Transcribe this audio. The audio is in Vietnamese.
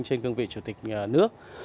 trên cương vị chủ tịch nước